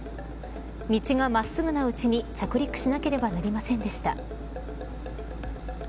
道が真っすぐなうちに着陸しなければなりませんでした。